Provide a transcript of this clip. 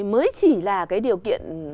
mới chỉ là cái điều kiện